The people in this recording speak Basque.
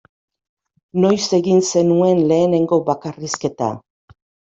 Noiz egin zenuen lehenengo bakarrizketa?